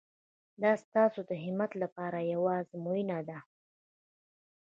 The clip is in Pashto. دا ستاسو د همت لپاره یوه ازموینه ده.